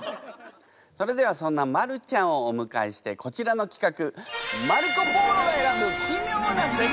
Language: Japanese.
それではそんなマルちゃんをお迎えしてこちらの企画。